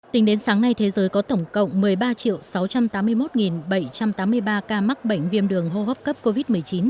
tính đến sáng nay thế giới có tổng cộng một mươi ba sáu trăm tám mươi một bảy trăm tám mươi ba ca mắc bệnh viêm đường hô hấp cấp covid một mươi chín